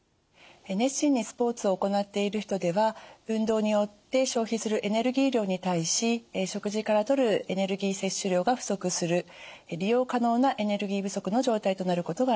熱心にスポーツを行っている人では運動によって消費するエネルギー量に対し食事からとるエネルギー摂取量が不足する利用可能なエネルギー不足の状態となることがあります。